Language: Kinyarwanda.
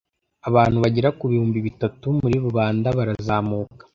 abantu bagera ku bihumbi bitatu muri rubanda barazamuka.